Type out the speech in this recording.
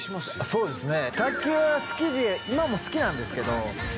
そうですね。